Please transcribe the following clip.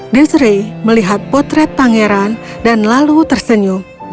desre melihat potret pangeran dan lalu tersenyum